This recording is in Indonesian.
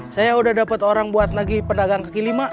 saya udah dapet orang buat lagi pendagang ke lima